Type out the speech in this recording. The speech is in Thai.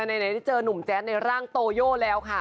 ไหนได้เจอหนุ่มแจ๊ดในร่างโตโย่แล้วค่ะ